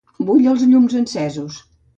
Vull els llums encesos.